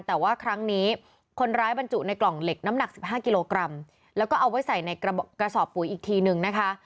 แต่ว่าครั้งนี้คนร้ายบรรจุในกล่องเหล็กน้ำหนัก๑๕กิโลกรัมแล้วก็เอาไว้ใส่ในกระสอบปุ๋ยอีกทีนึงนะคะ